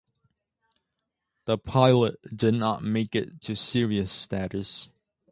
The pilot did not make it to series status.